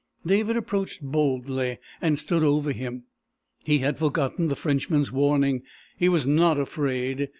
David approached boldly, and stood over him. He had forgotten the Frenchman's warning. He was not afraid.